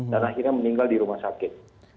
dan akhirnya meninggal di rumah sakit